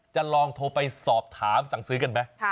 จะลองโทรไปสอบถามสั่งซื้อกันไหม